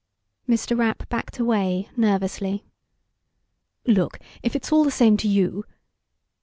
Mr. Rapp backed away, nervously. "Look, if it's all the same to you...."